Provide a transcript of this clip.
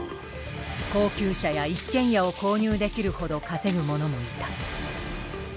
高級車や一軒家を購入できるほど稼ぐ者もいた。